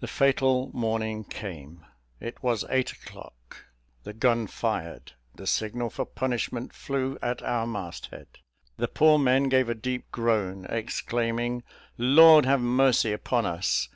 The fatal morning came. It was eight o'clock. The gun fired the signal for punishment flew at our mast head. The poor men gave a deep groan, exclaiming, "Lord have mercy upon us!